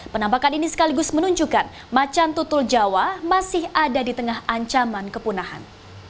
penampakan ini sekaligus menunjukkan macan tutul jawa masih ada di tengah ancaman kepunahan